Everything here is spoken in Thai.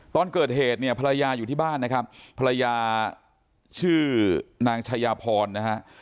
ตอนเกิดเหตุเนี่ยภรรยาอยู่ที่บ้านนะครับภรรยาชื่อนางชายาพรนะฮะ